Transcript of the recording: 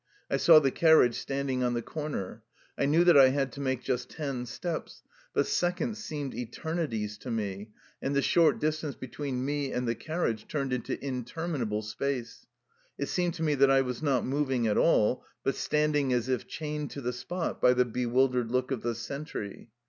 I saw the carriage standing on the corner. I knew that I had to make just ten steps. But seconds seemed eternities to me, and the short distance between me and the carriage turned into interminable space. It seemed to me that I was not moving at all, but standing as if chained to the spot by the bewildered look of the sentry.